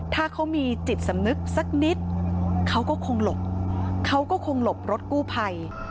ถ้าเขามีจิตสำนึกสักนิดเขาก็คงหลบเขาก็คงหลบรถกู้ภัย